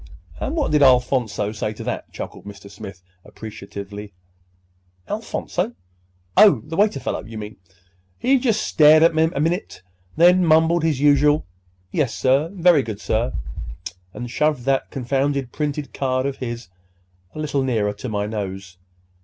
'" "And what did—Alphonso say to that?" chuckled Mr. Smith appreciatively. "Alphonso? Oh, the waiter fellow, you mean? Oh, he just stared a minute, then mumbled his usual 'Yes, sir, very good, sir,' and shoved that confounded printed card of his a little nearer to my nose.